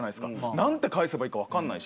何て返せばいいか分かんないし。